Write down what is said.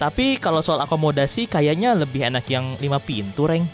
tapi kalau soal akomodasi kayaknya lebih enak yang lima pintu reng